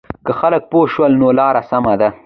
که خلک پوه شول نو لاره سمه ده.